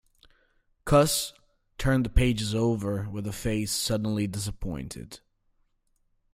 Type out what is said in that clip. Cuss turned the pages over with a face suddenly disappointed.